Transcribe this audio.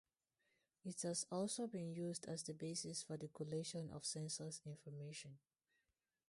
It has also been used as the basis for the collation of census information.